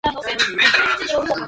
とてもおすすめです